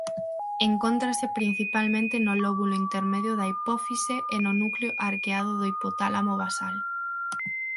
Encóntrase principalmente no lóbulo intermedio da hipófise e no núcleo arqueado do hipotálamo basal.